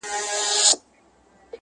هغه بل پر جواهرو هنرونو٫